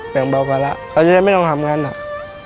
แบ่งเบาภาระเขาจะได้ไม่ต้องทำงานหนัก